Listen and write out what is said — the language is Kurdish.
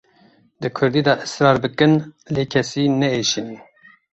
Di Kurdî de israr bikin lê kesî neêşînin.